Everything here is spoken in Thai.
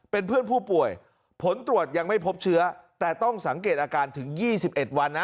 เป็นเพื่อนผู้ป่วยผลตรวจยังไม่พบเชื้อแต่ต้องสังเกตอาการถึง๒๑วันนะ